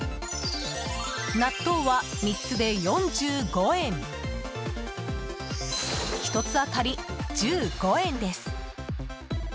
納豆は、３つで４５円１つ当たり１５円です。